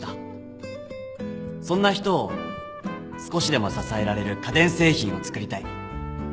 そんな人を少しでも支えられる家電製品を作りたい。